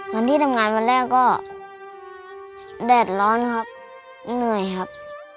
วันที่ทำงานวันแรกก็แดดร้อนครับเหนื่อยครับ